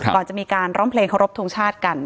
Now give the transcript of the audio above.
ก่อนจะมีการร้องเพลงเคารพทงชาติกัน